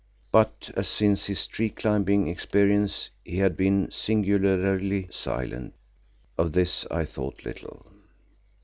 But as since his tree climbing experience he had been singularly silent, of this I thought little.